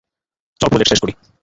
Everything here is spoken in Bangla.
চল প্রজেক্ট শেষ করি।